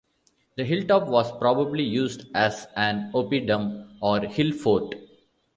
The hilltop was probably used as an "oppidum" or hill fort.